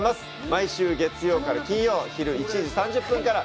毎週月曜から金曜、昼１時３０分から。